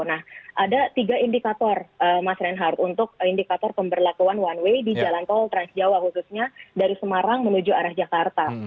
nah ada tiga indikator mas reinhardt untuk indikator pemberlakuan one way di jalan tol transjawa khususnya dari semarang menuju arah jakarta